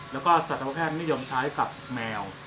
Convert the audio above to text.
แล้วก็สัตวแพทย์นิยมใช้กับแมว